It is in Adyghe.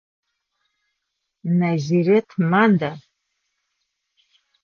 Назирэт мада?